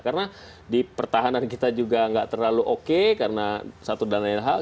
karena di pertahanan kita juga nggak terlalu oke karena satu dan lain hal